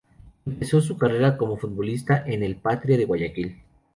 Empezó su carrera como futbolista en el Patria de Guayaquil.